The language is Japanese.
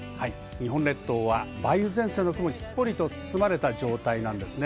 日本列島は梅雨前線の雲にすっぽりと包まれた状態なんですね。